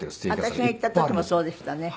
私が行った時もそうでしたね。